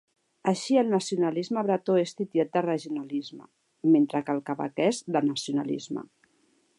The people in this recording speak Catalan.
Així el nacionalisme bretó és titllat de regionalisme, mentre que el quebequès de nacionalisme.